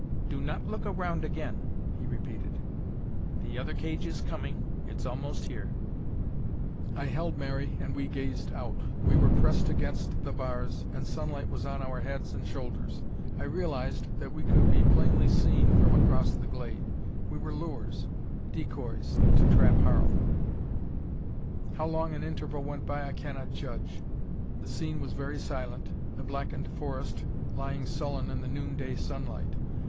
"Do not look around again," he repeated. "The other cage is coming; it's almost here." I held Mary, and we gazed out. We were pressed against the bars, and sunlight was on our heads and shoulders. I realized that we could be plainly seen from across the glade. We were lures decoys to trap Harl. How long an interval went by I cannot judge. The scene was very silent, the blackened forest lying sullen in the noonday sunlight.